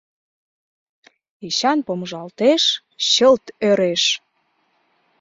Эчан помыжалтеш, чылт ӧреш.